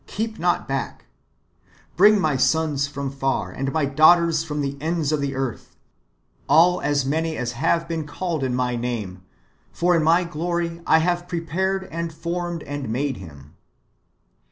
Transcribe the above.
Keep not back : bring my sons from far, and my daughters from the ends of the earth ; all, as many as have been called in my name : for in my glory I have prepared, and formed, and made him."